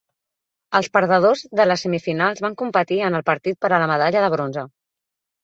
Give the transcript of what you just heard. Els perdedors de les semifinals van competir en el partit per a la medalla de bronze.